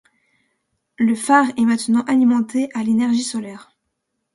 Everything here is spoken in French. Le phare est maintenant alimenté à l'énergie solaire.